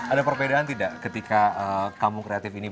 ada perbedaan tidak ketika kampung kreatif ini berada di sini